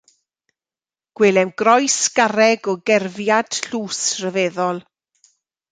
Gwelem groes garreg o gerfiad tlws ryfeddol.